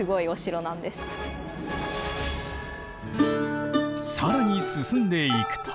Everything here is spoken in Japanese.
更に進んでいくと。